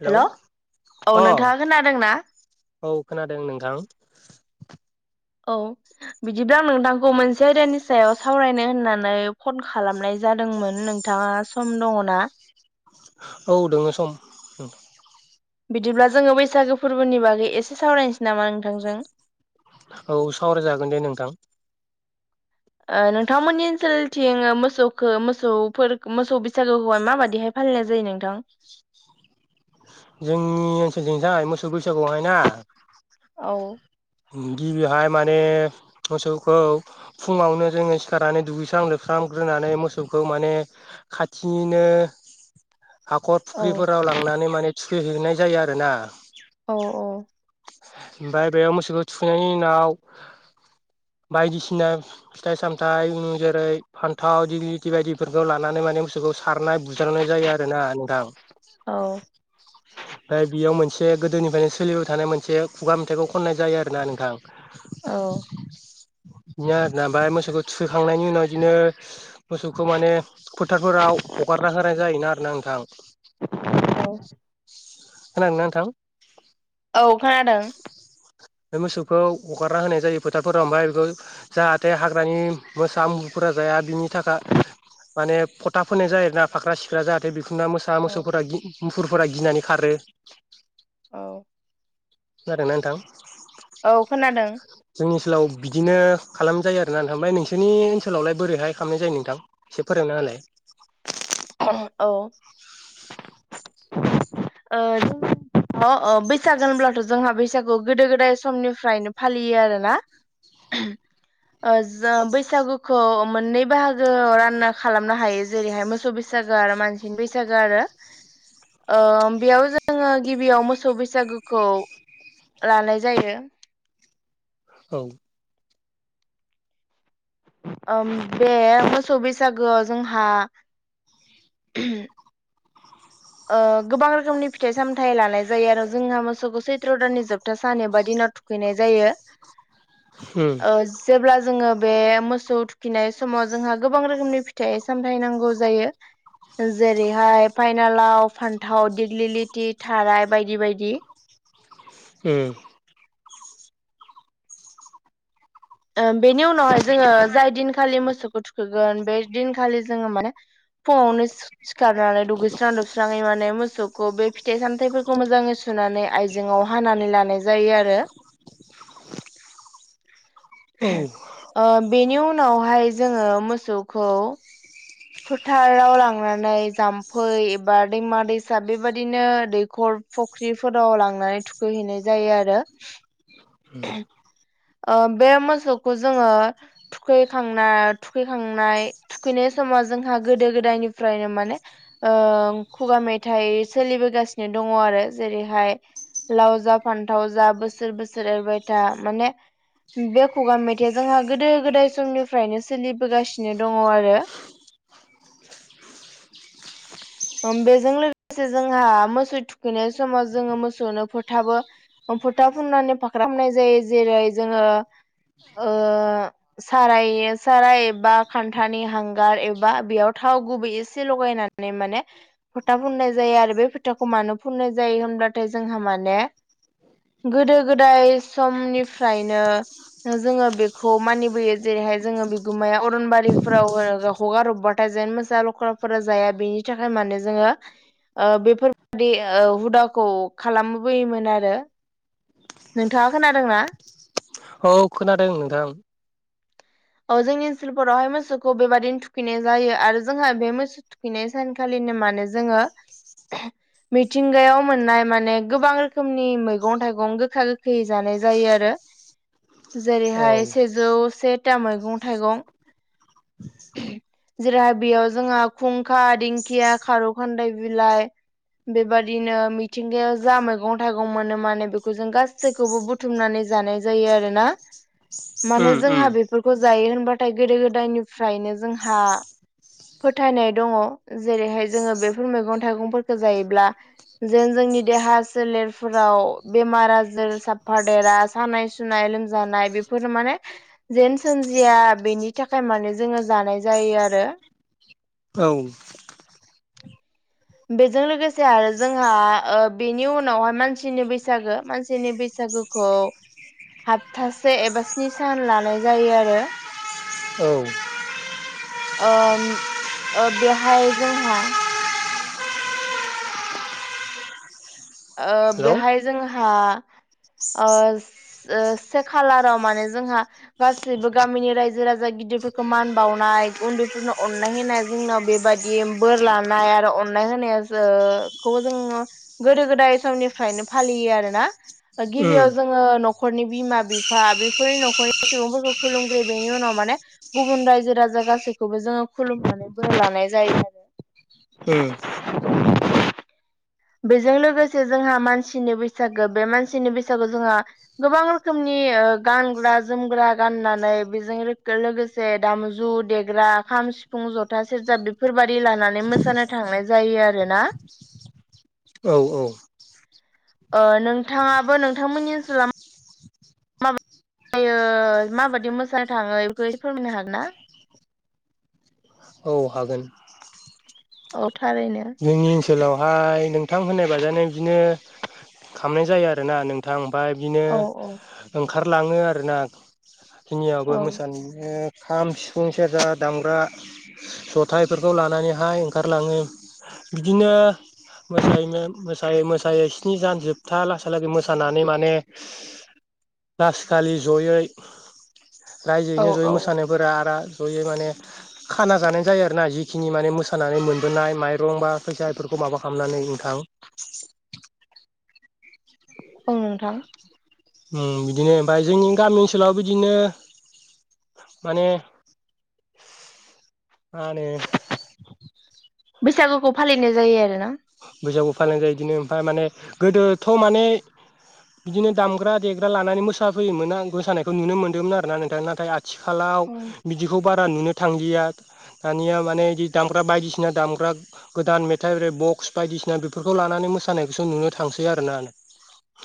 Hello hello औ अ नोंथाङा खोनादोंना? औ खोनादों नोंथां । औ बिदिब्ला आं नोंथांखौ मोनसे आयदानि सायाव सावरायनो होननानै फन खालामनाय जादोंमोन नोंथाङा सम दङ' ना? औ दोङो सम ओम । बिदिब्ला जोङो बैसागो फोरबोनि बागै एसे सावरायनोसै नामा नोंथांजों औ सावरायजागोन दे नोंथां ओ नोंथांमोननि ओनसोलथिं ओ मोसौखौ मोसौफोर मोसौ बैसागोखौहाय माबायदिहाय फालिनाय जायो नोंथां जोंनि ओनसोलजोंहाय मोसौ बैसागुआवहाय ना औ गिबिहाय माने मोसौखौ फुङावनो जोङो सिखारनानै दुगैस्रां लोबस्रां खालामामग्रोनानै मोसौखौ माने खाथिनिनो [unintelligible] हाखर औ फुख्रिफोराव लांनानै माने थुखैहैनाय जायो आरो ना औ औ ओमफ्राय बेयाव मोसौखौ थुखैनायनि उनाव बायदिसिना फिथाइ सामथाइ जेरै फान्थाव दिगलथि बायदिफोरखौ लानानै माने मोसौखौ सारनाय बुजारनाय जायो आरो ना नोंथां औ ओमफ्राय बेयाव मोनसे बे गोदोनिफ्रायनो सोलिबाय थानाय मोनसे खुगा मेथाइखौ खननाय जायो आरोना नोंथां औ बिदिनो आरा ओमफ्राय मोसौखौ थुोखांनायनि उनाव बिदिनो मोसौखौ माने फोथारफोराव हगारना होनाय जायोना आरो ना नोंथां औ खोनादोंना नोंथां अ खोनादों मोसौखौ हगारना होनाय जायो फोथारफोराव ओमफ्राय बेखौ जाहाथे हाग्रानि मोसा मुफोरखौ जाया बिनि थाखाय माने फथा फोनाय जायोोना फाख्रा सिख्रा जाहाथे मोसा औ मोसौफोरा मुफुरफोरा गिनानै खारो औ जादोंना नोंथां औ खोनादों जोंनि ओनसोलाव बिदिनो खालाम जायो आरोना नोंथां ओमफ्राय नोंसोरनि ओनसोलावलाय बोरैहाय खालामनाय जायो नोंथां एसे फोरोंनाहोलाय औ ओ जों अ अ बैसागु होनब्लाथ' जोंहा बैसागु गोदो गोदाय समनिफ्रायनो फालियो आरोना [unintelligible] ओ जों बैसागुखौ मोननै बाहागोआव रानना खालामनो हायो जेरैहाय मोसौ बैसागो आरो मानसिनि बैसागो आरो बेयाव जोङो गिबियाव मोसौ बैसागोखौ लानाय जायो औ बे मोसौ बैसागोआव जोंहा [unintelligible] ओ गोबां रोखोमनि फिथाइ सामथाइ लानाय जायो आरो जोंहा मोसौखौ सैत्र' दाननि जोबथा सान एबा दिनाव थुखैनाय जायो [unintelligible] उम ओ जेब्ला जोङो बे मोसौ थुखिनाय समाव जोंहा गोबां रोखोमनि फिथाइ सामथाय नांगौ जायो जेरैहाय फाइन बिना लाव फान्थाव दिग्लिलिथि थाराय बायदि बायदि ओ ओ बेनि उनावहाय जोङो जाय दिनखालि मोसौखौ थुखोगोन बे दिनखालि जोङो माने फुंआवनो सिखारनानै दुगै स्रां लोबस्राङै माने मोसौखौ बे फिथाइ सामथायाइफोरखौ मोजाङै सुनानै आइजेंआव हानानै लानाय जायो आरो [inaudible] औ बेनि उनावहाय जोङो मोसौखौ फोथाराव लांनानै जाम्फै एबा दैमा दैसा बेबायदिनो दैखर फुख्रिफोराव लांनानै थुखैहैनाय जायो आरो। उम। ओ बे मोसौखौ जोङो थुखैखांना थुखैखांनाय थुखैनाय समाव जोंहा गोदो गोदायनिफ्रायनो माने ओ खुगा मेथाइ सोलिबोगासिनो दं दङ आरो जेरैहाय लाव जा फान्थाव जा बोसोर बोसोर एरबाय था माने बे खुगा मेथाइया जोंहा गोदो गोदाय समनिफ्रायनो सोलिबोगासिनो दङ आरो [inaudible] [inaudible] बेजों लोगोसे जोंहा मोसौ थुखैनाय समाव जोङो मोसौनो फोथाबो फुथा फुननानै फाख्रामनाय जायो जेरै जोङो ओ साराइ साराय एबा खान्थानि हांगार एबा बेयाव थाव थाव गुबै एसे लगायनानै माने फोथा फुननाय जायो आरो बे फोथाखौ मानो फुननाय जायो होनब्लाथाय जोंहा माने गोदो गोदाय समनिफ्रायनो जोङो बेखौ मानिबोयो जेरैहाय जोङो बिगुमाया अरनबारिफोराव हगार हरबाथाय जेन मोसा लख्राफोरा जाया बेनि थाखाय माने जोङो ओ बेफोरबादि हुदाखौ खालामबोयोमोन आरो। नोंथाङा खोनादोंना औ खोनादों नोंथां। औ जोंनि ओनसोलफोरावहाय मोसौखौ बेबादिनो थुखैनाय जायो आरो जोंहा बे मोसौ थुखैनाय सानखालि बिदिनो माने जोङो। मिथिंगायाव मोननाय माने गोबां रोखोमनि मैगं थाइगं गोखा गोखै जानाय जायो आरो। औ जेरैहाय सेजौ सेथा मैगं थाइगं। जेराव बेयाव जोंहा खुंखा दिंखिया खारौ खान्दाय बिलाइ। बेबादिनो मिथिंगायाव जा मैगं थाइगं मोनो माने बेखौ जों गासैखौबो बुथुमनानै। जानाय जायो आरोना मानो उम उम जोंहा बेफोरखौ जायो होनबाथाय गोदो गोदायनि। फ्रायनो जोंहा। फोथायनाय दङ जेरैहाय जोङो बेफोर मैगं थाइगंफोरखौ जायोब्ला जेन जों। जोंनि देहा सोलेरफोराव बेमार आजार साफादेरा सानाय सुनाय लोमजानाय। बेफोर माने जेन सोमिया बेनि थाखाय माने। जोङो जानाय जायो आरो। औ। बेजों लोगोसे आरो जोंहा ओ बेनि उनावहाय मानसिनि बैसागो मानसिनि बैसागु। बैसागुखौ हफथासे एबा स्नि सान लानाय जायो आरो। औ। ओ बेहाय जोंहा। ओ हेलौ बेहाय जोंहा। ओ से खालाराव माने जोंहा गासैनिबो गामिनि रायजो राजा गिदिर। उन्दैफोरखौ मान बावनाय उन्दैफोरनो अननाय होनाय जोंनाव बेबायदि बोर लानाय आरो अननाय। [unintelligible] गोदो गोदाय समनिफ्रायनो फालियो आरोना उम गिबियाव जोङो न'खरनि बिमा बिफा बेफोरनि न'खरनि सुबुंफोरखौ खुलुमग्रो बेनि उनाव माने गुबुन रायजो राजा गासैखौबो जोङो खुलुमनानै ब लानाय जायो आरो। उम। [inaudible] बेजों लोगोसे जोंहा मानसिनि बैसागो बे मानसिनि बैसागु जोंहा गोबां रोखोमनि गानग्रा जोमग्रा गाननानै बेजों लोगोसे दामजु देग्रा खाम, सिफुं, जथा, सेरजा बेफोरबायदि लानानै मोसानो थांनाय जायो आरोना। [unintelligible] औ-औ। अ नोंथाङाबो नोंथांमोननि ओनसोलाव मा? आयो माबायदि मोसानो थाङो बेखौ एसे फोरमायनो हागोन ना? औ हागोन। औ थारैनो जोंनि ओनसोलावहाय नोंथां होननाय बाजानो बिदिनो। खामनाय जायो आरोना नोंथां ओमफाय बिदिनो औ ओंखा। खारलाङो आरोना जिंनियावबो औ मोसानो। खाम, सिफुं, सेरजा दामग्रा जथा इफोरखौ लानानैहाय ओंखारलाङो। बिदिनो। मोसायैनो मोसायै-मोसायै स्नि सान जोबथा लासा लागै मोसानानै माने। लासखालि ज'यै औ रायजोयैनो ज'यै औ मोसानायफोरा आरो। ज'यै माने खाना जानाय जायो आरो ना जिखिनि माने मोसानानै मोनबोनाय माइ। दंबा फैसा इफोरखौ माबा खालामनानै नोंथां। औ नोंथां। ओम बिदिनो ओमफाय जोंनि गामि ओनसोलाव बिदिनो। माने। मा होनो। बैसागुखौ फालिनाय जायो आरो ना‌। बैसागु फालिनाय जायो बिदिनो ओमफ्राय माने गोदोथ' माने। बिदिनो दामग्रा-देग्रा लानानै मोसाफैयोमोन आं मोसानायखौ नुनो मोनदोंमोन आरो ना नोंथां नाथाय आ। थिखालाव औ बिदिखौ बारा नुनो थांलिया। दानिया माने इदि दामग्रा बायदिसिना दामग्रा गोदान मेथाइ एरै बक। बायदिसिना बेफोरखौ लानानै मोसानायखौसो नुनो थांसै आरोना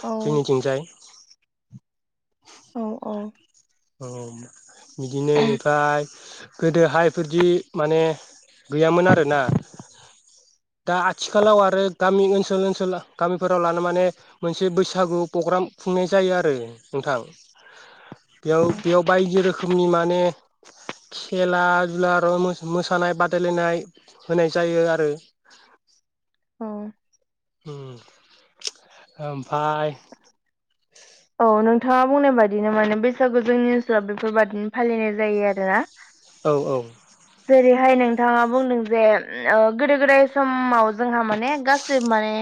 औ जोंनिथिंजाय। औ-औ। औ बिदिनो इनिफ्राय गोदोहायफोरदि माने। गैयामोन आरोना। [unintelligible] दा आथिखालाव आरो गामि, ओनसोल-ओनसोल गामिफोराव लानो माने मोनसे बैसागु पग्राम। खुंनाय जायो आरो नोंथां। [unintelligible] बेयाव-बेयाव बायदि रोखोमनि माने। खेला-दुला आर' मो-मोसानाय बादायलायनाय होनाय जायो आरो। अ। ओम ओमफाय। औ नोंथाङा बुंनाय बादिनो माने बैसागु जोंनि ओनसोलाव बेफोरबादिनो फालिनाय जायो आरो ना? औ-औ। जेरैहाय नोंथाङा बुंदों जे ओ गोदो-गोदाय समाव जोंहा माने गासिबो माने।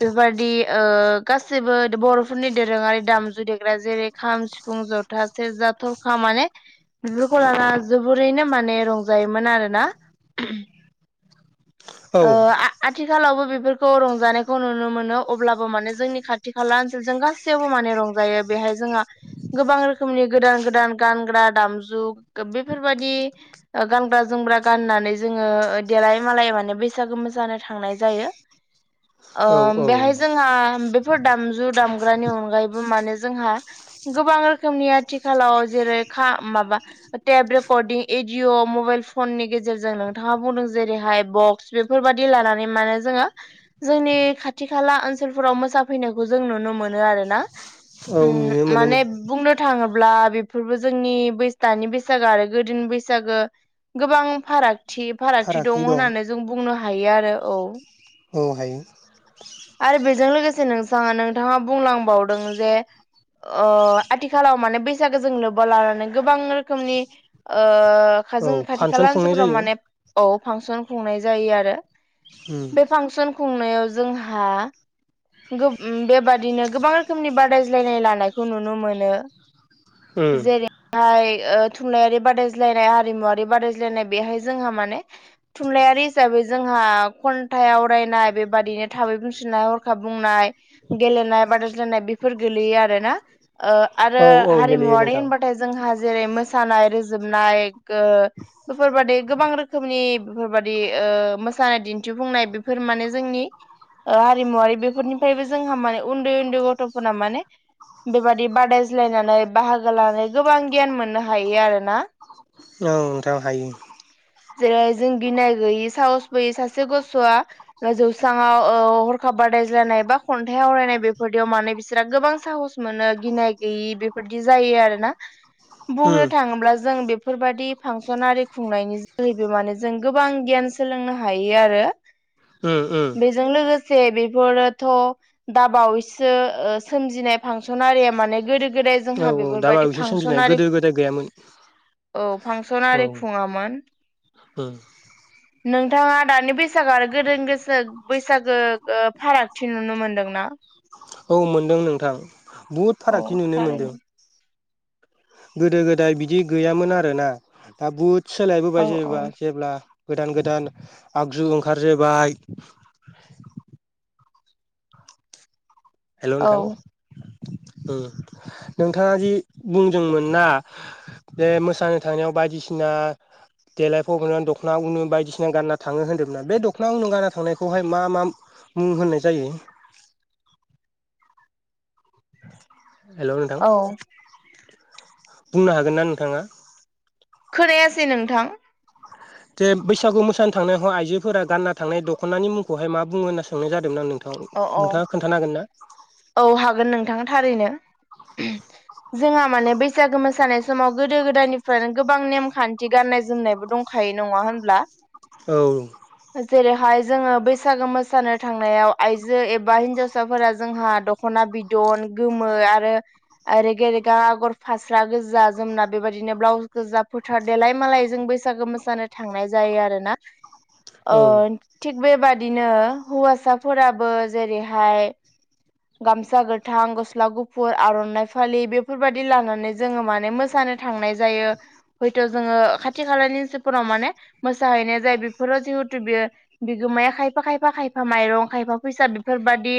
बेफोरबायदि ओ गासैबो बर'फोरनि दोरोङारि दामजु देग्रा जेरै-खाम, सिफुं। ज'था, सेरजा, थरखा माने बेफोरखौ लाना जोबोरैनो माने रंजा। जायोमोन आरोना। औ आ-आथि। आथिखालावबो बेफोरखौ रंजानायखौ नुनो मोनो अब्लाबो माने जोंनि खाथि-खाला ओनसोलजों गासैयावबो माने रं। जायो बेहाय। जोंहा गोबां रोखोमनि गोदान-गोदान गानग्रा दामजु बेफोरबायदि। ओ गानग्रा-जोमग्रा गाननानै जोङो देलाय-मालाय माने बै। बैसागो मोसानो थांनाय जायो। ओ औ औ बेहाय जोंहा बेफोर दामजु दाम। ग्रानि अनगायैबो माने जोंहा गोबां रोखोमनि आथि। आथिखालाव जेरै खा माबा टेभ रिकदीं‌ इजि भीडिअ मबाइल फननि गेजेरजों नोंथाङा बुंदों जेरैहाय बक् बेफोरबादि लानानै माने जोङो जोंनि खाथि खाला ओनसोलफोराव मोसाफैनायखौ जों नु नुनो मोनो आरो ना औ ओम नुनो मोनो नों माने बुंनो थाङोबा ब्ला बेफोरबो जोंनि बैसो दानि बैसागो आरो गोदोनि बैसागो गोबां फाराग थि फारागथि दं होननानै जों बुंनो हायो आरो औ औ हायो। आरो बेजों लोगोसे नों नोंथाङा बुंलांबावदों जे ओ आथिखालाव माने बैसागो जों लोब्बा लानानै गोबां रोखोमनि ओ औ जोंनि खाथि फांसन खाला खुंनाय ओनसोलफोराव जायो माने औ फांसन खुंनाय जायो आरो उम बे फांसन खुंनायाव जोंहा गो बेबादिनो गोबां रोखोमनि बादायज्लायनाय लानायखौ नुनो मोनो। उम जेरैहाय ओ थुनलाइारि बादाय्लायनाय हारिमुवारि बादायज्लायनाय बेहाय जोंहा माने थुनलाइयारि हिसाबै जोंहा खन्थाइ आवरायनाय बेबादिनो थाबै [unintelligible] खाब बुंनाय गेलेनाय बादायज्लायनाय बेफोर गोलैयो आरो ना। ओ आरो औ औ गेलेयो हारिमुवारि नोंथां होनबाथाय जोंहा जेरै मोसानाय रोजोबनाय ओ बेफोरबादि गोबां रोखोमनि बेफोरबादि ओ मोसानाय दिन्थिफुंनाय बेफोर माने जोंनि हारिमुवारि बेफोरनिफ्रायबो जोंहा माने उन्दै उन्दै गथ'फोरा माने बेबादि बादायज्लायनानै बाहागो लानानै गोबां गियान मोननो हायो आरोना। औ नोंथां हायो। जेरै जों गिनाय गैयि साहसबोयै सासे गथ'वआ जौस्रांवाव ओ हरखाब बादायज्लायनाय बा खन्थाइ आवरायनाय बेफोरदियाव माने बिसोरो गोबां साहस मोनो गिनाय गैयि बेफोरदि जायो आरोना उम बुंनो थाङोब्ला जों बेफोरबायदि फांसननि खुंनायनि बैबो माने जों गोबां गियान सोलोंनो हायो आरो उम उम बेजों लोगोसे बेफोरोथ' दाबावैसो ओ सोमजिनाय फांसन माने गोदो गोद गोदाय औ जोंहा औ दा बेफोरबायदि बावैसो सोमजिनाय फांसनारि गोदो गोदाय गैयामोन औ फांसन आरि खुङामोन। हो नोंथाङा दानि बैसागो आरो गोदो गोसो बैसागो ओ फारागथि नुनो मोनदों ना। औ मोनदों नोंथां बहुद औ फारागथि नुनो थारैनो मोन्दों। गोदो गोदाय बिदि गैयामोन आरोना दा बुद औ सोलायबोबाय औ जेबा जेब्ला गोदान गोदान आगजु ओंखारजोबाय हेल' औ नोंथां ओ नोंथाङा जि बुंदोंमोन ना बे मोसानो थांनायाव बायदिसिना देलायफबनानै दख'ना उनो बायदिसिना गानना थाङो होन्दोंमोनना बे दखना उननो गानना थांनायखौहाय मा मा मुं होननाय जायो। ंंं हेल' नोंथां औ बुंनो हागोन ना नोंथाङा। खोनायासै नोंथां? जे बैसागु मोसानो थांनायाव आइजोफोरा गानना थांनाय दख'नानि मुंखौहाय मा बुङ होनना सोंनाय जादोंमोननां नों अ औ नोंथाङा खोन्थान हांगोन ना? औ हागोन नोंथां थारैनो। जोंहा माने बैसागो मोसानाय समाव गोदो गोदायनिफ्रायनो गोबां नेमखान्थि गान गाननाय जोमनायबो दंखायो नङा होनब्ला औ जेरैहाय जोङो बैसागो मोसानो थांनायाव आइजो एबा हिन्जावसाफोरा जोंहा दख'ना बिदन गोमो आरो रे आगर फास्रा गोजा जोमना बेबायदिनो ब्लाउस गोजा फोथार देलाय मालाय जों बैसागो मोसानाय थांनाय जायो आरोना? औ थिग बेबादिनो हौवासाफोराबो जेरैहाय गामसा गोथां गस्ला गुफुर आर'नाइ फालि बेफोरबायदि लानानै जोङो माने मोसानो थांनाय जायो हयथ' जोङो खाथि खालानिफोराव माने मोसाहैनाय जायो बेफोर ज बियो बिगोमाया खायफा खायफा खायफा माइरं खायफा फैसा बेफोरबाददि